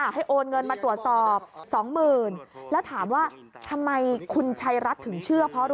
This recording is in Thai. ให้โอนเงินมาตรวจสอบ๒๐๐๐แล้วถามว่าทำไมคุณชัยรัฐถึงเชื่อเพราะ